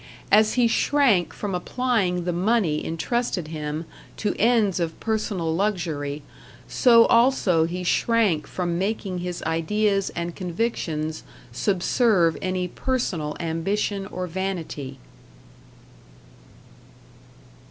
As he shrank from applying the money entrusted him to ends of personal luxury, so also he shrank from making his ideas and convictions subserve any personal ambition or vanity.